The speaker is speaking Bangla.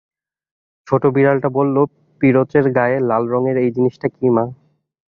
ছোটো বিড়ালটা বলল, পিরচের গায়ে লাল রঙের এই জিনিসটা কী মা?